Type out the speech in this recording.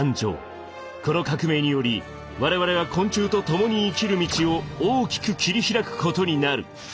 この革命により我々は昆虫と共に生きる道を大きく切り開くことになる。